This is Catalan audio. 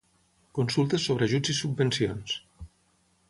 Consultes sobre ajuts i subvencions.